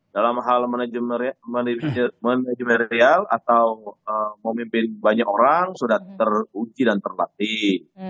dalam hal manajemerial atau memimpin banyak orang sudah teruji dan terlatih